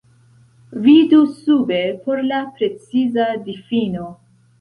Vidu sube por la preciza difino.